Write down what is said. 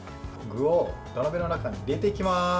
土鍋の中に入れていきます。